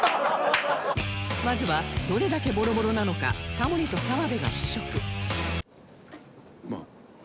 まずはどれだけボロボロなのかタモリと澤部が試食